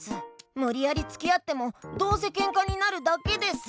むりやりつきあってもどうせケンカになるだけです。